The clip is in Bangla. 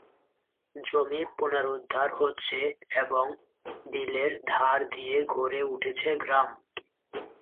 জমি পুনরুদ্ধার হচ্ছে এবং বিলের ধার দিয়ে গড়ে উঠছে গ্রাম।